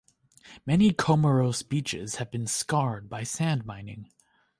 Many Comoros beaches have been scarred by sand mining.